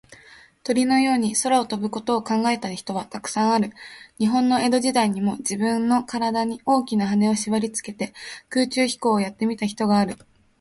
鳥のように空を飛ぶことを考えた人は、たくさんある。日本の江戸時代にも、じぶんのからだに、大きなはねをしばりつけて、空中飛行をやってみた人がある。